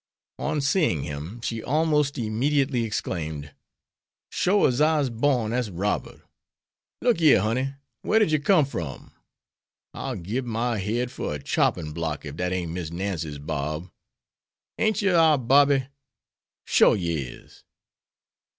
On seeing him, she almost immediately exclaimed, "Shore as I'se born, dat's Robert! Look yere, honey, whar did yer come from? I'll gib my head fer a choppin' block ef dat ain't Miss Nancy's Bob. Ain't yer our Bobby? Shore yer is."